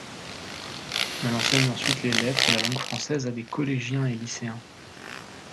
Elle enseigne ensuite les lettres et la langue française à des collégiens et lycéens.